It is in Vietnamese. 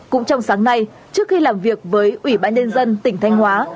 cũng trong sáng nay trước khi làm việc với ủy ban nhân dân tỉnh thanh hóa